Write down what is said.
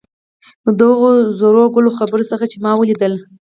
د هغو زرو ګل خبرو څخه چې ما ولیدلې.